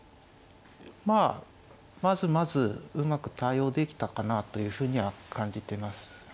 まあまずまずうまく対応できたかなというふうには感じてます。